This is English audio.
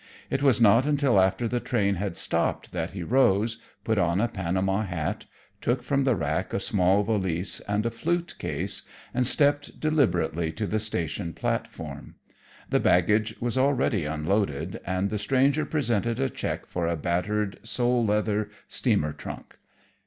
It was not until after the train had stopped that he rose, put on a Panama hat, took from the rack a small valise and a flute case, and stepped deliberately to the station platform. The baggage was already unloaded, and the stranger presented a check for a battered sole leather steamer trunk.